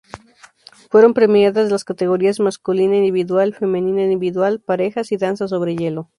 Fueron premiadas las categorías masculina individual, femenina individual, parejas y danza sobre hielo.